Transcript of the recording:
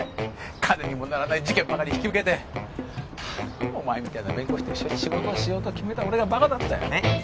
金にもならない事件ばかり引き受けてお前みたいな弁護士と仕事をしようと決めた俺がバカだったえッ？